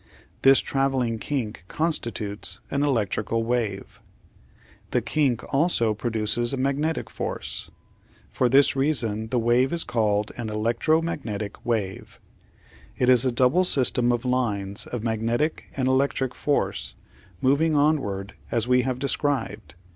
This travelling kink constitutes an electric wave. The kink also produces a magnetic force. For this reason the 830 The Outline of Science wave is called an electromagnetic wave. It is a double system of lines of magnetic and electric force moving onward as we have described.